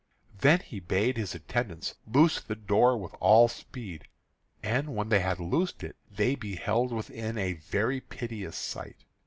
Then he bade his attendants loose the door with all speed; and when they had loosed it, they beheld within a very piteous sight.